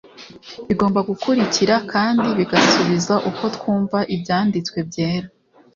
Bigomba gukurikira kandi bigasubiza uko twumva Ibyanditswe Byera,